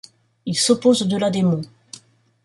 Il s'oppose au Delà des Monts.